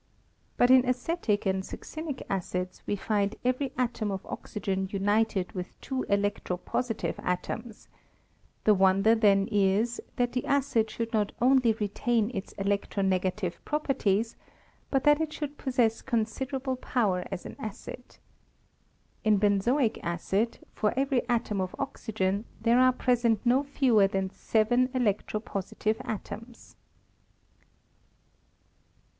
But in acetic and succinic acids we find every atom of oxygen united with two electro positive atoms : the wonder then is, that the acid should not only retain its electro negative properties, but that it should possess considerable power as an acid. In benzoic acid, for every atom of oxygen, there are present no fewer than seven electro positive atoms.